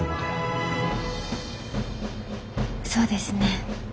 そうですね。